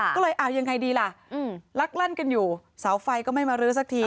ก็เลยเอายังไงดีล่ะลักลั่นกันอยู่เสาไฟก็ไม่มารื้อสักที